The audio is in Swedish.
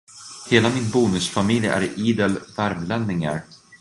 Hela min bonusfamilj är idel värmlänningar.